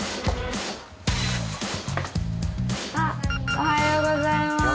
おはようございます。